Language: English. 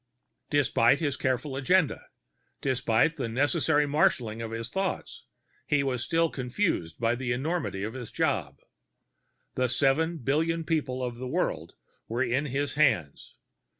Despite his careful agenda, despite the necessary marshaling of his thoughts, he was still confused by the enormity of his job. The seven billion people of the world were in his hands.